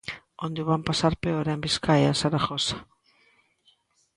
Onde o van pasar peor é en Biscaia e en Zaragoza.